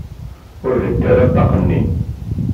Ur leddi ara ṭṭaq-nni.